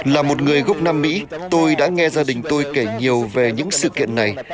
là một người gốc nam mỹ tôi đã nghe gia đình tôi kể nhiều về những sự kiện này